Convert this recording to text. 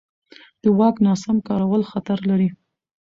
د واک ناسم کارول خطر لري